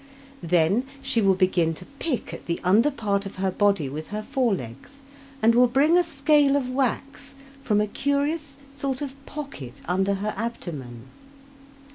Then she will begin to pick at the under part of her body with her fore legs, and will bring a scale of wax from a curious sort of pocket under her abdomen.